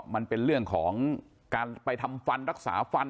มันเป็นเรื่องของการไปทำฟันรักษาฟัน